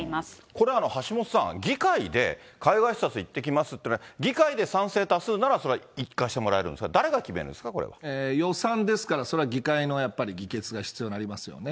これ、橋下さん、議会で海外視察行ってきますって、議会で賛成多数ならそれは行かせてもらえるんですか、誰が決める予算ですから、それは議会の議決が必要になりますよね。